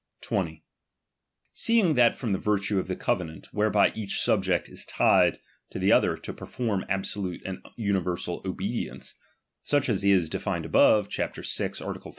20. Seeing that from the virtue of the covenantj "" ■whereby each subject is tied to the other to per form absolute and universal obedience {such as is defined above, chap, vi, art.